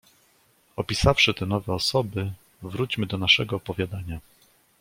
"Opisawszy te nowe osoby, wróćmy do naszego opowiadania."